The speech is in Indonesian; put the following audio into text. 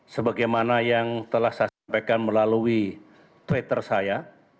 sebagaimana yang telah saya sampaikan melalui twitter saya